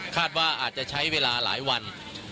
ว่าอาจจะใช้เวลาหลายวัน